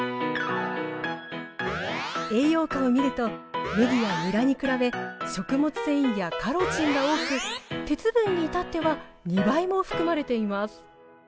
栄養価を見るとねぎやにらに比べ食物繊維やカロチンが多く鉄分に至っては２倍も含まれています